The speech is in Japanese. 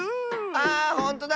あほんとだ！